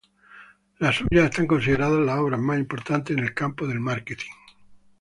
Las suyas están consideradas las obras más importantes en el campo del marketing.